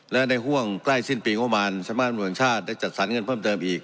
และในห่วงใกล้สิ้นปีงบประมาณเมืองชาติได้จัดสรรเงินเพิ่มเติมอีก